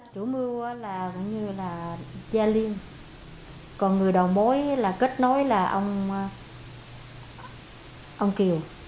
chú mưu là gia liên còn người đồng bối là kết nối là ông kiều